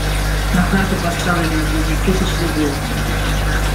На карту поставлена жизнь тысяч людей.